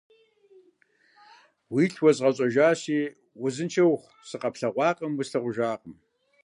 Уилъ уэзгъэщӀэжащи, узыншэ ухъу, сыкъэплъэгъуакъым, услъэгъужакъым.